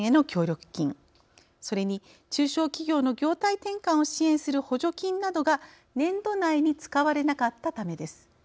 それに中小企業の業態転換を支援する補助金などが年度内に使われなかったためです。